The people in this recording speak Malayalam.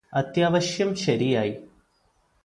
അത്യാവശ്യം ശരിയായി